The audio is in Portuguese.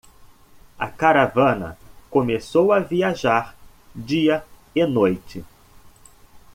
A caravana começou a viajar dia e noite.